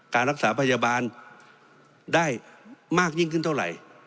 การรักษาพยาบาลได้มากยิ่งขึ้นเท่าไหร่